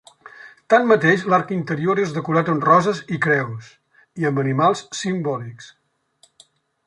Tanmateix, l'arc interior és decorat amb roses i creus, i amb animals simbòlics.